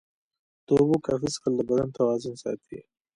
د اوبو کافي څښل د بدن توازن ساتي.